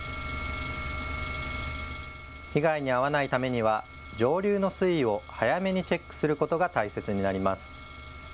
被害に遭わないためには上流の水位を早めにチェックすることが大切になります。